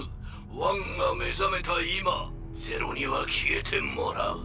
ワンが目覚めた今ゼロには消えてもらう。